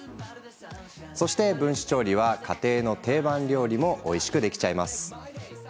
そして、分子調理は家庭の定番料理もおいしくできちゃいます。